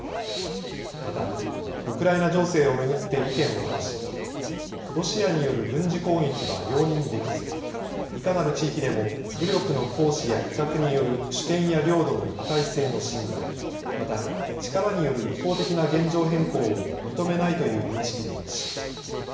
また、ウクライナ情勢を巡って意見を交わしロシアによる軍事攻撃は容認できずいかなる地域でも武力の行使や威嚇による主権や領土の一体性の侵害また力による一方的な現状変更を認めないという認識で一致しました。